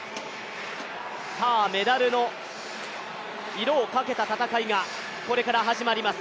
さあ、メダルの色をかけた戦いがこれから始まります。